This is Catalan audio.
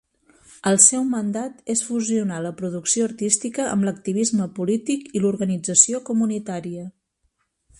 El seu mandat és fusionar la producció artística amb l'activisme polític i l'organització comunitària.